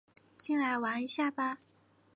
进来玩一下吧